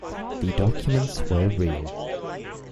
The documents were real.